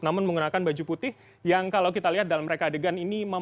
namun menggunakan baju putih yang kalau kita lihat dalam reka adegan ini